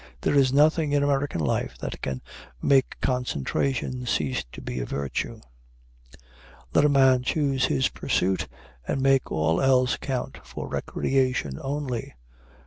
There is nothing in American life that can make concentration cease to be a virtue. Let a man choose his pursuit, and make all else count for recreation only.